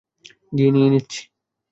গিয়ে নিয়ে নিচ্ছি।